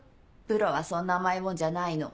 プロはそんな甘いもんじゃないの。